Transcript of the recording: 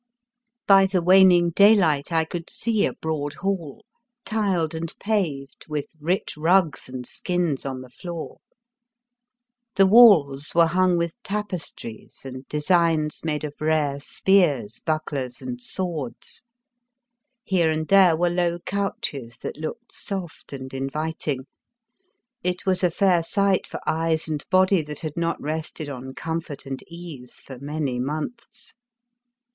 By the waning day light I could see a broad hall, tiled and paved, with rich rugs and skins on the floor ; the walls were hung with tapes 27 The Fearsome Island tries and designs made of rare spears, bucklers and swords. Here and there were low couches that looked soft and inviting — it was a fair sight for eyes and body that had not rested on comfort and ease for many months.